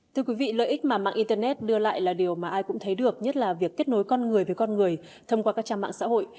thưa quý vị lợi ích mà mạng internet đưa lại là điều mà ai cũng thấy được nhất là việc kết nối con người với con người thông qua các trang mạng xã hội